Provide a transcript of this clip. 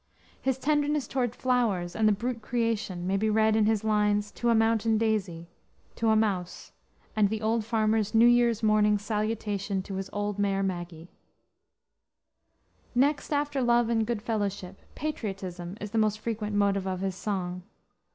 His tenderness toward flowers and the brute creation may be read in his lines To a Mountain Daisy, To a Mouse, and The Auld Farmer's New Year's Morning Salutation to his Auld Mare Maggie. Next after love and good fellowship, patriotism is the most frequent motive of his song.